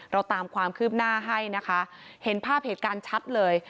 เราตามความคืบหน้าให้นะคะเห็นภาพเหตุการณ์ชัดเลย